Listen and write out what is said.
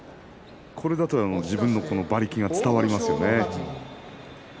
これだと、自分の馬力が相手に伝わります。